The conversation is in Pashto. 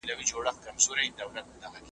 زه شیدې پرته له شکره څښم.